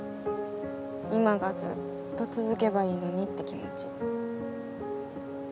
今がずっと続けばいいのにって気持ち。